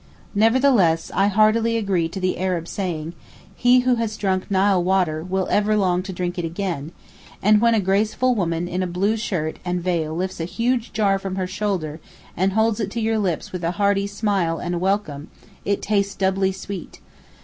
Nevertheless, I heartily agree to the Arab saying: 'He who has drunk Nile water will ever long to drink it again'; and when a graceful woman in a blue shirt and veil lifts a huge jar from her shoulder and holds it to your lips with a hearty smile and welcome, it tastes doubly sweet.